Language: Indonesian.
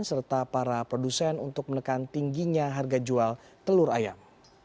serta para produsen untuk menekan tingginya harga jual telur ayam